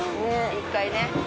一回ね。